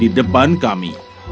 di depan kami